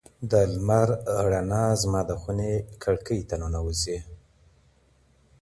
د لمر رڼا زما د خونې کړکۍ ته ننوځي.